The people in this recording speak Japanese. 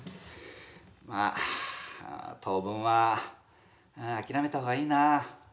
まあ当分は諦めた方がいいな。